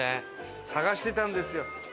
探してたんですよ。